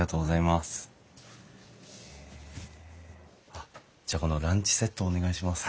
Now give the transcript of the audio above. あっじゃあこのランチセットお願いします。